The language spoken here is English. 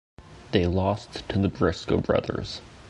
They lost to the Briscoe Brothers.